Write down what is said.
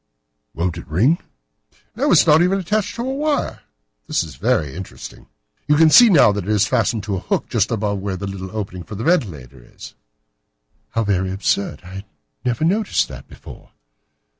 "Won't it ring?" "No, it is not even attached to a wire. This is very interesting. You can see now that it is fastened to a hook just above where the little opening for the ventilator is." "How very absurd! I never noticed that before."